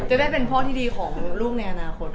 ได้เป็นพ่อที่ดีของลูกในอนาคต